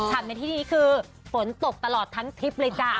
ในที่นี้คือฝนตกตลอดทั้งทริปเลยจ้ะ